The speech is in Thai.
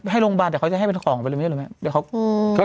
ถ้าให้ลงบานจะให้เป็นของเลยนะ